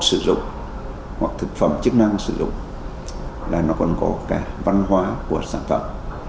sử dụng hoặc thực phẩm chức năng sử dụng là nó còn có cả văn hóa của sản phẩm